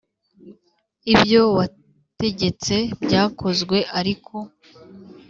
Ibyo wategetse byakozwe ariko